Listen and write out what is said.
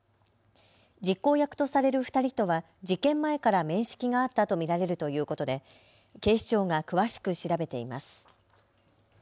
実行役とされる２人とは事件前から面識があったと見られるということで警視庁が詳しく調べています。